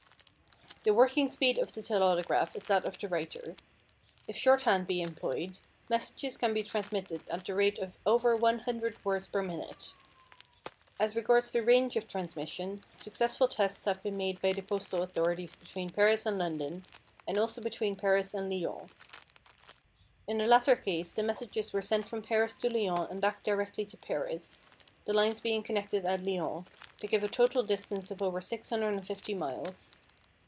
The working speed of the telautograph is that of the writer. If shorthand be employed, messages can be transmitted at the rate of over 100 words per minute. As regards the range of transmission, successful tests have been made by the postal authorities between Paris and London, and also between Paris and Lyons. In the latter case the messages were sent from Paris to Lyons and back directly to Paris, the lines being connected at Lyons, to give a total distance of over 650 miles.